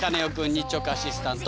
日直アシスタント